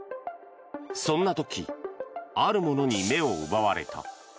そんな時あるものに目を奪われた。